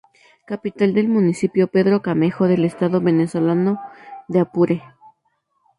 Capital del municipio Pedro Camejo del Estado venezolano de Apure.